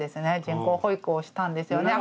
人工哺育をしたんですよね